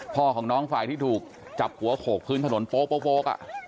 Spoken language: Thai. พ่อของน้องฝ่ายที่ถูกจับหัวโขคพื้นถนนโป๊กปล๊าวโป๊กอ่ะ